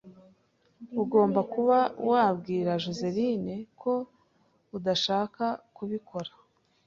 Ugomba kuba wabwira Joseline ko udashaka kubikora.